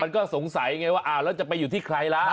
ก็สงสัยไงว่าอ้าวแล้วจะไปอยู่ที่ใครล่ะ